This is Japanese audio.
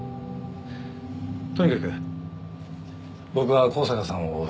とにかく僕は香坂さんを追う。